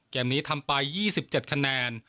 แก่ำนี้ทำไป๒๗ครั้ง